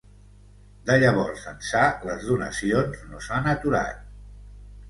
De llavors ençà les donacions no s’han aturat.